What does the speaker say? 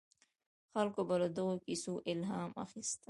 خلکو به له دغو کیسو الهام اخیست.